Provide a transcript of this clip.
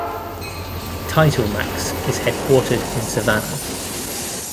TitleMax is headquartered in Savannah.